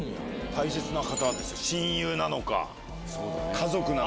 大切な方ですよ。